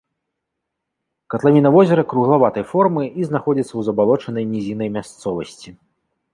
Катлавіна возера круглаватай формы і знаходзіцца ў забалочанай нізіннай мясцовасці.